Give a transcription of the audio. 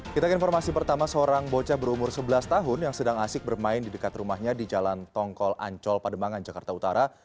kita ke informasi pertama seorang bocah berumur sebelas tahun yang sedang asik bermain di dekat rumahnya di jalan tongkol ancol pademangan jakarta utara